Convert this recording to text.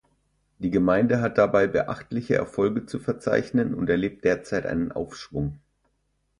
Die Gemeinde hat dabei beachtliche Erfolge zu verzeichnen und erlebt derzeit einen Aufschwung.